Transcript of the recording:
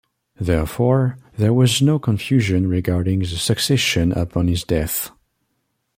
Therefore, there was no confusion regarding the succession upon his death.